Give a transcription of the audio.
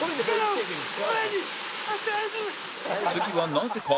次はなぜか